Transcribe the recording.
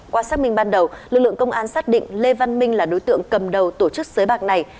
qua xác minh ban đầu lực lượng công an xác định lê văn minh là đối tượng cầm đầu tổ chức sới bạc này